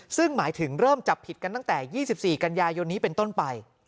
ซึ่งหมายถึงเริ่มจับผิดกันตั้งแต่๒๔กันยายนนี้เป็นต้นไป